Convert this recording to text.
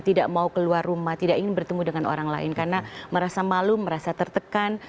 tidak mau keluar rumah tidak ingin bertemu dengan orang lain karena merasa malu merasa tertekan